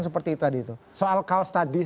seperti tadi itu soal kaos tadi